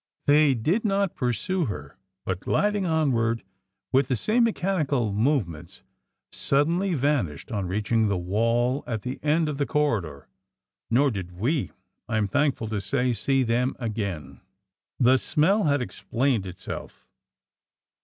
They did not pursue her, but gliding onward with the same mechanical movements, suddenly vanished on reaching the wall at the end of the corridor; nor did we, I am thankful to say see them again. The SMELL had explained itself.